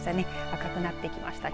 赤くなってきました。